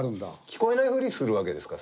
聞こえないふりするわけですか？